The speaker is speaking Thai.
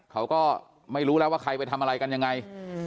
เขาก็ไม่รู้แล้วว่าใครไปทำอะไรกันยังไง